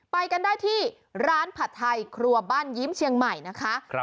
ไปกันได้ที่ร้านผัดไทยครัวบ้านยิ้มเชียงใหม่นะคะ